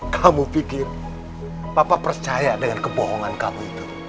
kamu pikir papa percaya dengan kebohongan kamu itu